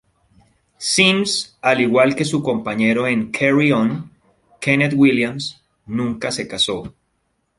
Sims, al igual que su compañero en "Carry On" Kenneth Williams, nunca se casó.